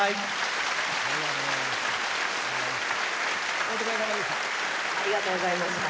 お疲れさまでした。